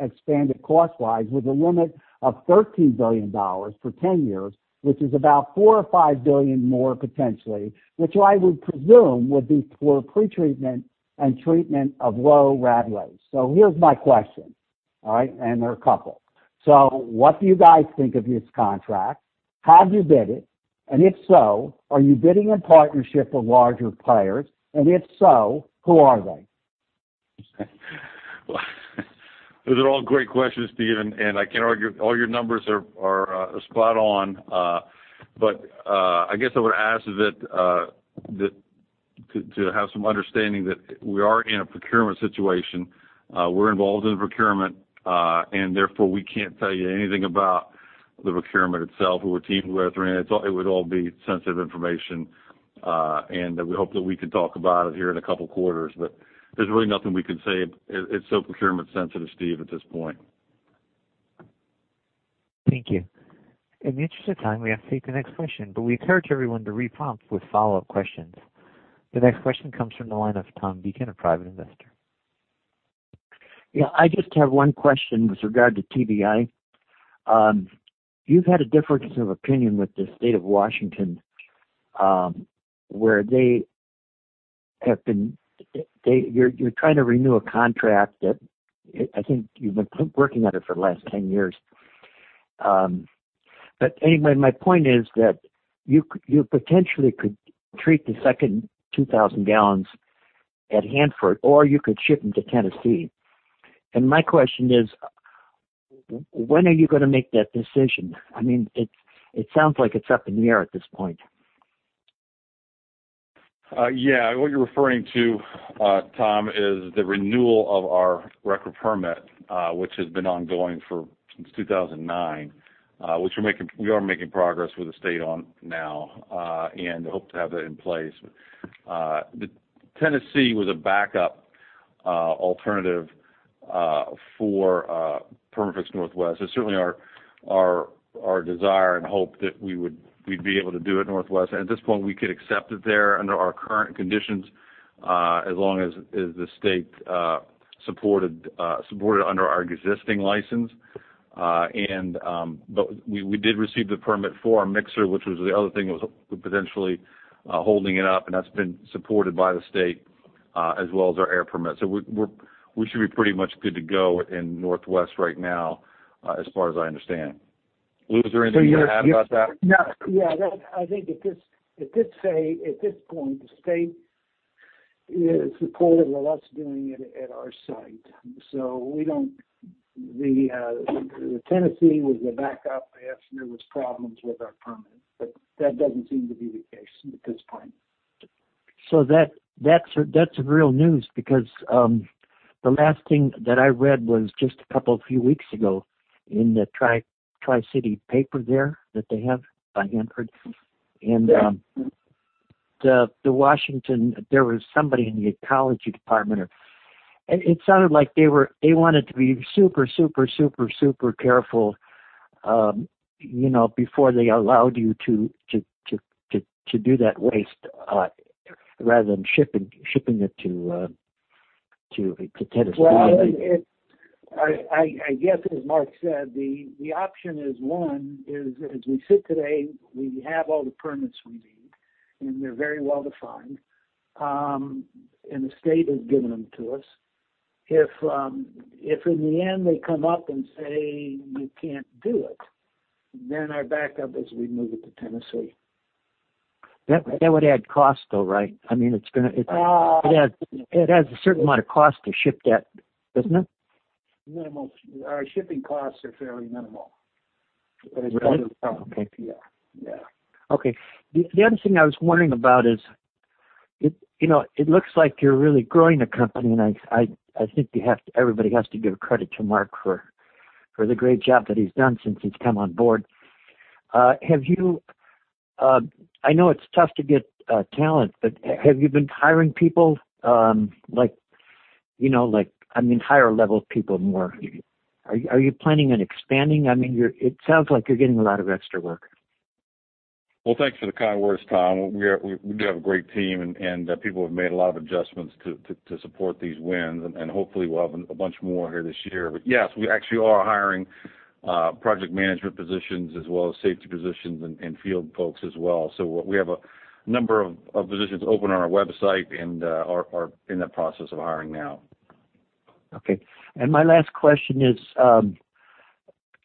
expanded cost-wise with a limit of $13 billion for 10 years, which is about $4 or $5 billion more potentially, which I would presume would be toward pre-treatment and treatment of low rad waste. Here's my question. All right. There are a couple. What do you guys think of this contract? Have you bid it? And if so, are you bidding in partnership with larger players? And if so, who are they? Those are all great questions, Steven, and I can't argue. All your numbers are spot on. I guess I would ask to have some understanding that we are in a procurement situation. We're involved in procurement, and therefore, we can't tell you anything about the procurement itself, who we're teamed with. It would all be sensitive information, and that we hope that we can talk about it here in a couple quarters, but there's really nothing we can say. It's still procurement sensitive, Steven, at this point. Thank you. In the interest of time, we have to take the next question, but we encourage everyone to re-prompt with follow-up questions. The next question comes from the line of Tom Deacon, a private investor. I just have one question with regard to TBI. You've had a difference of opinion with the State of Washington, where you're trying to renew a contract that I think you've been working at it for the last 10-years. Anyway, my point is that you potentially could treat the second 2,000 gallons at Hanford, or you could ship them to Tennessee. My question is: When are you going to make that decision? It sounds like it's up in the air at this point. Yeah. What you're referring to, Tom, is the renewal of our RCRA permit, which has been ongoing since 2009, which we are making progress with the State on now, hope to have that in place. Tennessee was a backup alternative for Perma-Fix Northwest. It's certainly our desire and hope that we'd be able to do it Northwest. At this point, we could accept it there under our current conditions, as long as the State supported under our existing license. We did receive the permit for our mixer, which was the other thing that was potentially holding it up, and that's been supported by the State, as well as our air permit. We should be pretty much good to go in Northwest right now, as far as I understand. Louis, is there anything you want to add about that? Yeah. I think at this point, the State is supportive of us doing it at our site. Tennessee was a backup if there was problems with our permit, that doesn't seem to be the case at this point. That's real news because the last thing that I read was just a few weeks ago in the Tri-City paper there that they have by Hanford. Yeah. There was somebody in the Washington Department of Ecology. It sounded like they wanted to be super careful before they allowed you to do that waste rather than shipping it to Tennessee. Well, I guess as Mark said, the option is, one, as we sit today, we have all the permits we need, and they're very well-defined. The state has given them to us. If in the end they come up and say, "You can't do it," then our backup is we move it to Tennessee. That would add cost, though, right? It adds a certain amount of cost to ship that, doesn't it? Minimal. Our shipping costs are fairly minimal. Really? Okay. Yeah. Okay. The other thing I was wondering about is, it looks like you're really growing the company, and I think everybody has to give credit to Mark for the great job that he's done since he's come on board. I know it's tough to get talent, but have you been hiring people? I mean higher level people more. Are you planning on expanding? It sounds like you're getting a lot of extra work. Well, thanks for the kind words, Tom. We do have a great team, and people have made a lot of adjustments to support these wins, and hopefully we'll have a bunch more here this year. Yes, we actually are hiring project management positions as well as safety positions and field folks as well. We have a number of positions open on our website and are in that process of hiring now. Okay. My last question is, I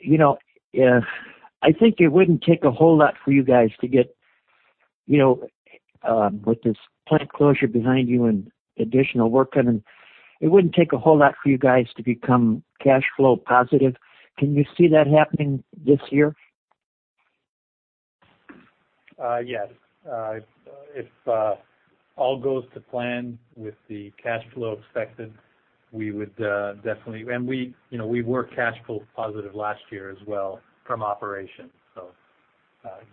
think it wouldn't take a whole lot for you guys, with this plant closure behind you and additional work in, to become cash flow positive. Can you see that happening this year? Yes. If all goes to plan with the cash flow expected, we would definitely. We were cash flow positive last year as well from operations.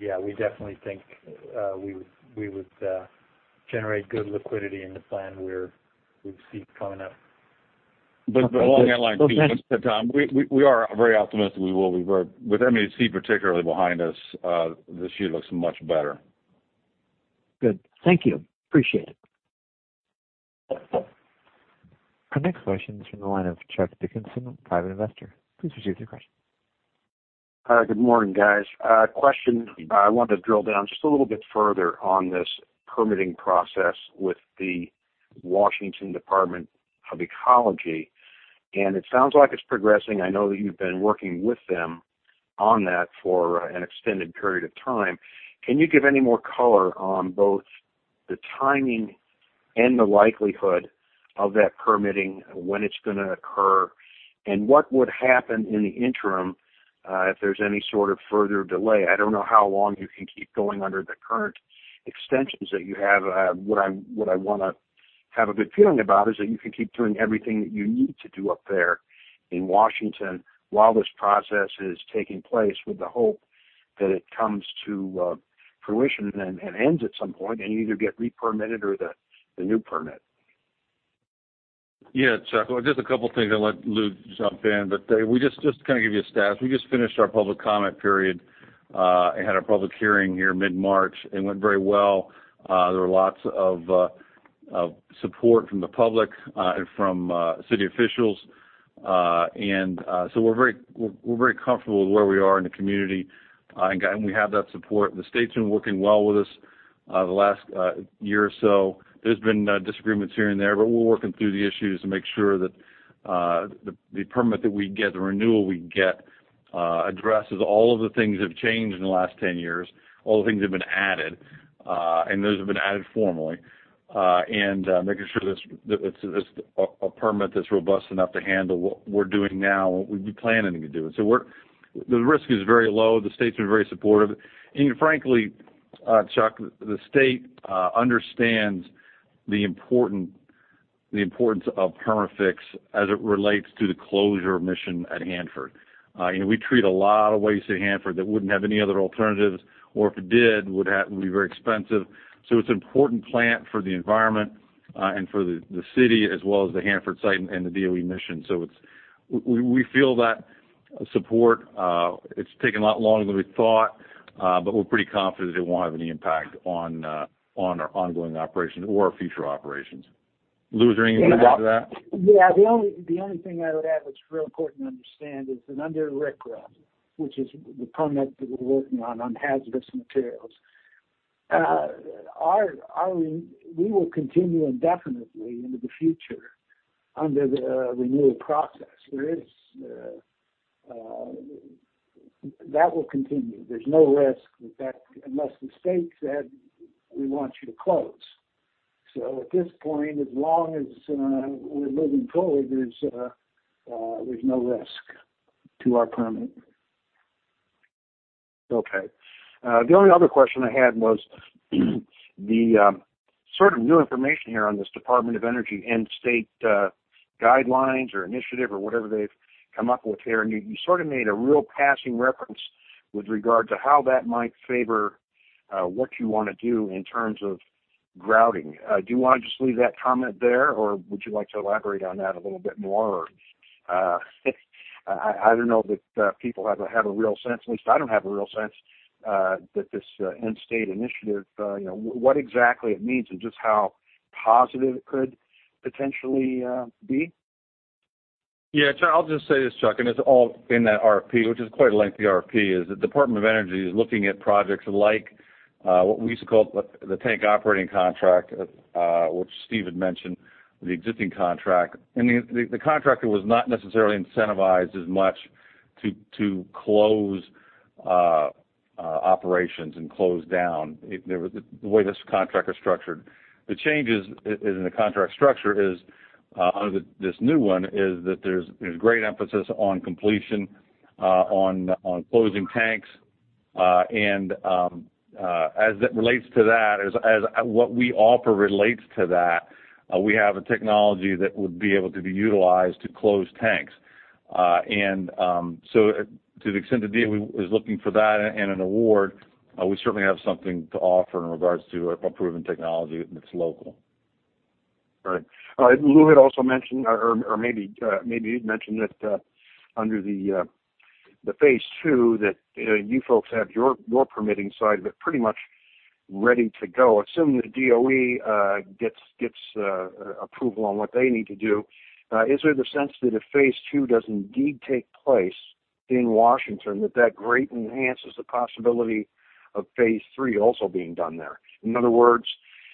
Yeah, we definitely think we would generate good liquidity in the plan we see coming up. The long headline, Tom, we are very optimistic we will. With M&EC particularly behind us, this year looks much better. Good. Thank you. Appreciate it. Our next question is from the line of Chuck Dickinson, Private Investor. Please proceed with your question. Good morning, guys. A question. I wanted to drill down just a little bit further on this permitting process with the Washington Department of Ecology. It sounds like it's progressing. I know that you've been working with them on that for an extended period of time. Can you give any more color on both the timing and the likelihood of that permitting, when it's going to occur, and what would happen in the interim if there's any sort of further delay? I don't know how long you can keep going under the current extensions that you have. What I want to have a good feeling about is that you can keep doing everything that you need to do up there in Washington while this process is taking place with the hope that it comes to fruition and ends at some point. You either get re-permitted or the new permit. Yeah. Chuck, just a couple of things. I'll let Louis jump in. Just to kind of give you a status. We just finished our public comment period, had a public hearing here mid-March, went very well. There were lots of support from the public and from city officials. We're very comfortable with where we are in the community. We have that support. The state's been working well with us the last year or so. There's been disagreements here and there, we're working through the issues to make sure that the permit that we get, the renewal we get, addresses all of the things that have changed in the last 10-years, all the things that have been added, those have been added formally, making sure that it's a permit that's robust enough to handle what we're doing now and what we've been planning to do. The risk is very low. The state's been very supportive. Frankly, Chuck, the state understands the importance of Perma-Fix Environmental Services as it relates to the closure mission at Hanford. We treat a lot of waste at Hanford that wouldn't have any other alternatives, or if it did, would be very expensive. It's an important plant for the environment and for the city, as well as the Hanford site and the DOE mission. We feel that support. It's taken a lot longer than we thought, we're pretty confident that it won't have any impact on our ongoing operations or our future operations. Louis, is there anything you want to add to that? Yeah. The only thing I would add that's real important to understand is that under RCRA, which is the permit that we're working on hazardous materials, we will continue indefinitely into the future under the renewal process. That will continue. There's no risk with that, unless the state said, "We want you to close." At this point, as long as we're moving forward, there's no risk to our permit. Okay. The only other question I had was the sort of new information here on this Department of Energy end state guidelines or initiative or whatever they've come up with here, you sort of made a real passing reference with regard to how that might favor what you want to do in terms of grouting. Do you want to just leave that comment there, or would you like to elaborate on that a little bit more? I don't know that people have a real sense, at least I don't have a real sense, that this end state initiative, what exactly it means and just how positive it could potentially be. I'll just say this, Chuck, it's all in that RFP, which is quite a lengthy RFP, the Department of Energy is looking at projects like what we used to call the tank operating contract, which Steven had mentioned, the existing contract. The contractor was not necessarily incentivized as much to close operations and close down, the way this contract is structured. The changes in the contract structure under this new one is that there's great emphasis on completion, on closing tanks. As it relates to that, as what we offer relates to that, we have a technology that would be able to be utilized to close tanks. To the extent the DOE is looking for that and an award, we certainly have something to offer in regards to a proven technology that's local. All right. Lou had also mentioned, or maybe you'd mentioned that under the phase 2, that you folks have your permitting side of it pretty much ready to go. Assuming the DOE gets approval on what they need to do, is there the sense that if phase 2 does indeed take place in Washington, that that greatly enhances the possibility of phase 3 also being done there? In other words,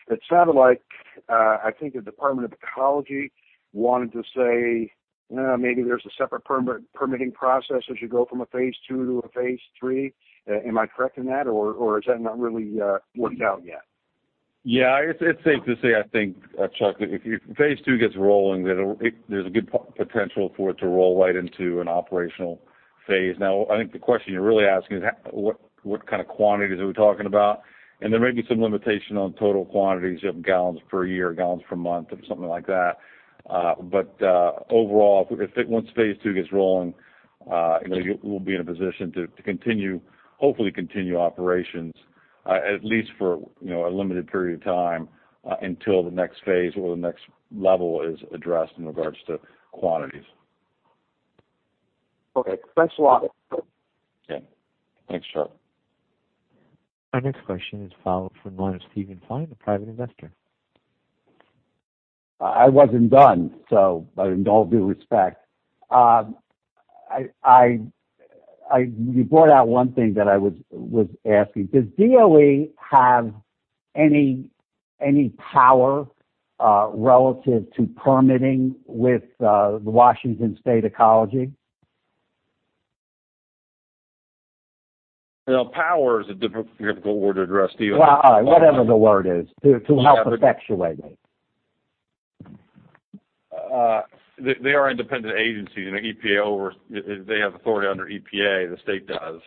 it sounded like, I think the Department of Ecology wanted to say, "Maybe there's a separate permitting process as you go from a phase 2 to a phase 3." Am I correct in that, or is that not really worked out yet? It's safe to say, I think, Chuck, if phase 2 gets rolling, there's a good potential for it to roll right into an operational phase. Now, I think the question you're really asking is, what kind of quantities are we talking about? There may be some limitation on total quantities, you have gallons per year, gallons per month, or something like that. Overall, once phase 2 gets rolling, we'll be in a position to hopefully continue operations, at least for a limited period of time, until the next phase or the next level is addressed in regards to quantities. Thanks a lot. Yeah. Thanks, Chuck. Our next question is followed from the one of Steven Fine, a private investor. I wasn't done, so in all due respect. You brought out one thing that I was asking. Does DOE have any power relative to permitting with the Washington department of Ecology? Power is a difficult word to address, Steven. Whatever the word is, to help effectuate it. They are independent agencies. They have authority under EPA, the state does.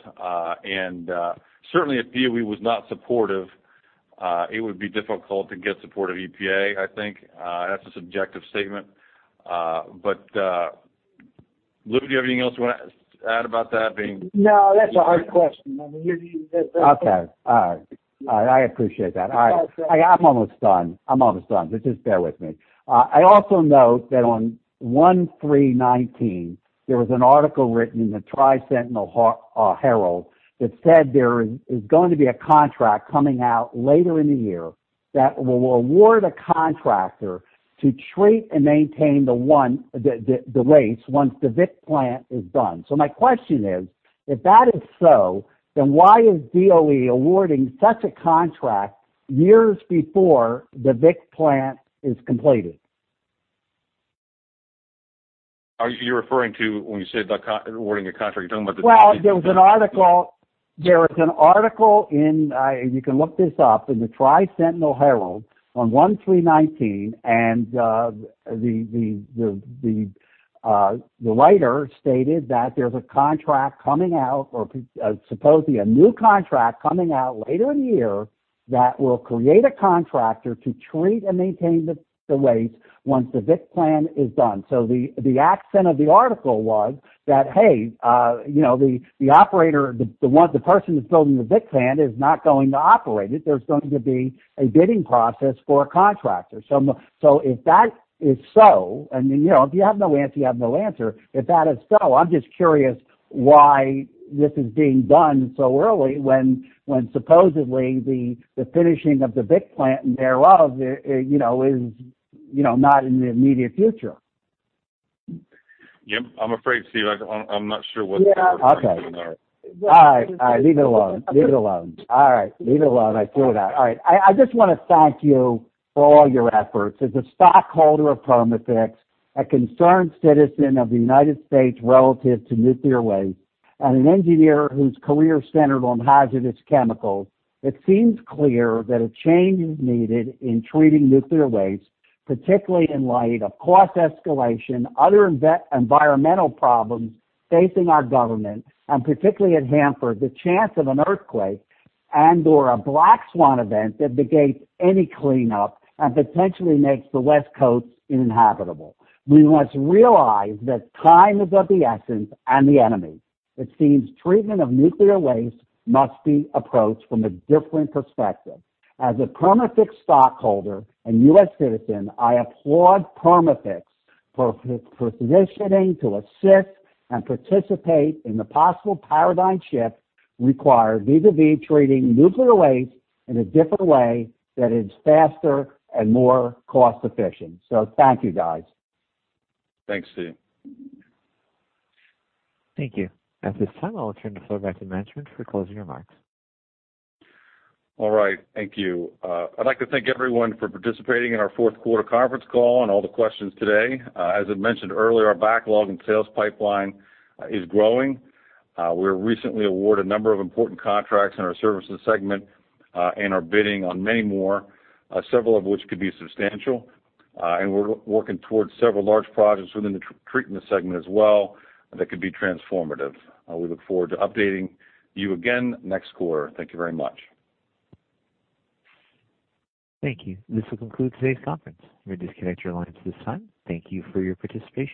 Certainly if DOE was not supportive, it would be difficult to get support of EPA, I think. That's a subjective statement. Lou, do you have anything else you want to add about that? No, that's a hard question. Okay. All right. I appreciate that. That's all. I'm almost done. Just bear with me. I also note that on 01/03/2019, there was an article written in the "Tri-City Herald" that said there is going to be a contract coming out later in the year that will award a contractor to treat and maintain the waste once the Vit Plant is done. My question is, if that is so, why is DOE awarding such a contract years before the Vit Plant is completed? Are you referring to when you said awarding a contract, you're talking about the- There was an article, and you can look this up, in the "Tri-City Herald" on 01/03/2019, and the writer stated that there's a contract coming out, or supposedly a new contract coming out later in the year that will create a contractor to treat and maintain the waste once the Vit Plant is done. The accent of the article was that, hey, the person who's building the Vit Plant is not going to operate it. There's going to be a bidding process for a contractor. If that is so, and if you have no answer, you have no answer. If that is so, I'm just curious why this is being done so early when supposedly the finishing of the Vit Plant and thereof is not in the immediate future. Yep. I'm afraid, Steven, I'm not sure what- Yeah. Okay. -to say on that. All right. Leave it alone. All right. Leave it alone. I feel that. All right. I just want to thank you for all your efforts. As a stockholder of Perma-Fix, a concerned citizen of the United States relative to nuclear waste, and an engineer whose career centered on hazardous chemicals, it seems clear that a change is needed in treating nuclear waste, particularly in light of cost escalation, other environmental problems facing our government, and particularly at Hanford, the chance of an earthquake and/or a black swan event that negates any cleanup and potentially makes the West Coast inhabitable. We must realize that time is of the essence and the enemy. It seems treatment of nuclear waste must be approached from a different perspective. As a Perma-Fix stockholder and U.S. citizen, I applaud Perma-Fix for positioning to assist and participate in the possible paradigm shift required vis-a-vis treating nuclear waste in a different way that is faster and more cost efficient. Thank you, guys. Thanks, Steven. Thank you. At this time, I'll turn the floor back to management for closing remarks. All right. Thank you. I'd like to thank everyone for participating in our fourth quarter conference call and all the questions today. As I mentioned earlier, our backlog and sales pipeline is growing. We were recently awarded a number of important contracts in our services segment, and are bidding on many more, several of which could be substantial. We're working towards several large projects within the treatment segment as well that could be transformative. We look forward to updating you again next quarter. Thank you very much. Thank you. This will conclude today's conference. You may disconnect your lines at this time. Thank you for your participation.